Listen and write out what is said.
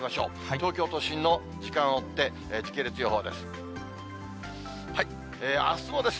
東京都心の時間を追って、時系列予報です。